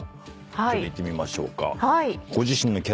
ちょっといってみましょうか。